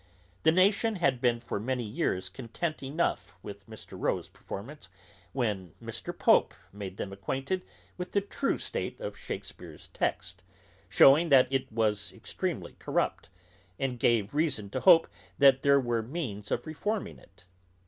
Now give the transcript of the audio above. The nation had been for many years content enough with Mr. Rowe's performance, when Mr. Pope made them acquainted with the true state of Shakespeare's text, shewed that it was extremely corrupt, and gave reason to hope that there were means of reforming it.